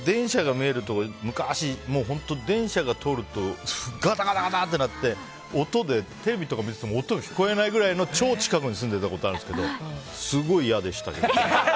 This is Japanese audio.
僕、昔、電車が通るとガタガタってなって音でテレビとか見てても音が聞こえないくらいの超近くに住んでたことあるんですけどすごい嫌でしたけど。